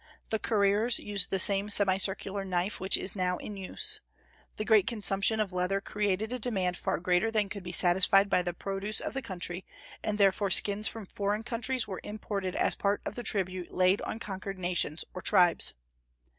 The curriers used the same semicircular knife which is now in use. The great consumption of leather created a demand far greater than could be satisfied by the produce of the country, and therefore skins from foreign countries were imported as part of the tribute laid on conquered nations or tribes.